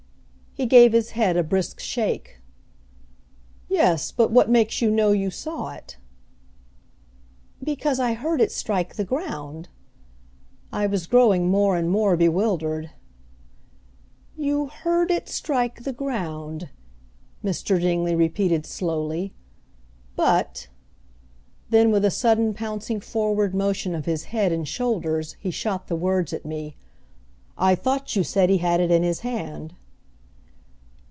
He gave his head a brisk shake. "Yes, but what makes you know you saw it?" "Because I heard it strike the ground." I was growing more and more bewildered. "You heard it strike the ground," Mr. Dingley repeated slowly, "but" Then with a sudden pouncing forward motion of his head and shoulders, he shot the words at me, "I thought you said he had it in his hand."